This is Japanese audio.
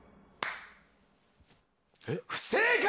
不正解！